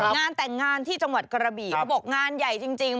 งานแต่งงานที่จังหวัดกระบี่เขาบอกงานใหญ่จริง